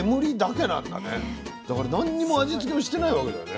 だから何も味付けもしてないわけだよね